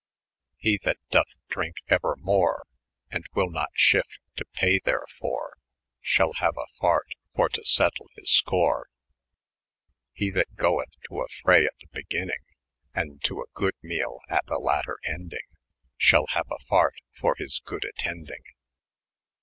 * IT He that dooth drynke euermore, ' And wyll not ahyfte to paye therfore, S[h]all haue a fert for to set to' hia score, 203 * He that goeth to a fray at the begynny[n]g, / And to a good meale at the latter endyng, Shall haue a farte for his good attendyng.